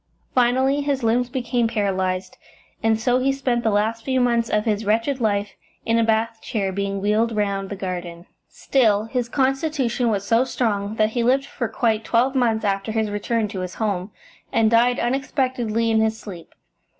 Finally his limbs became paralysed, and so he spent the last few months of his wretched life in a bath chair, being wheeled round the garden. Still, his constitution was so strong that he lived for quite twelve months after his return to his home, and died unexpectedly in his sleep.